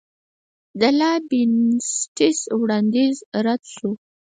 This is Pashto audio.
د لایبینټس وړاندیز رد شو.